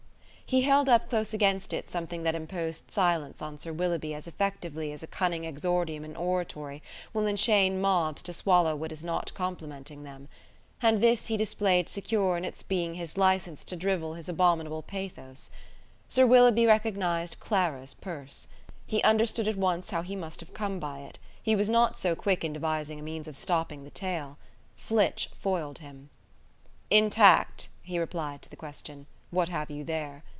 He held up close against it something that imposed silence on Sir Willoughby as effectively as a cunning exordium in oratory will enchain mobs to swallow what is not complimenting them; and this he displayed secure in its being his licence to drivel his abominable pathos. Sir Willoughby recognized Clara's purse. He understood at once how the must have come by it: he was not so quick in devising a means of stopping the tale. Flitch foiled him. "Intact," he replied to the question: "What have you there?"